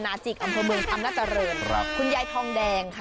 นาซิกอำคมอำนาจริงหญายทองแดงค่ะ